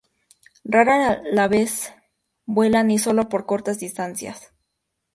Rara vez vuelan y sólo por cortas distancias.